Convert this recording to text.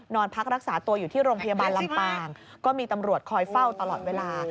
นอนพักรักษาตัวอยู่ที่โรงพยาบาลลำปางก็มีตำรวจคอยเฝ้าตลอดเวลา